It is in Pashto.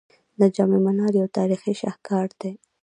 د جام منار یو تاریخي شاهکار دی